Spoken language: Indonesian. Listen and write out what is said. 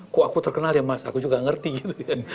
kok aku terkenal ya mas aku juga ngerti gitu kan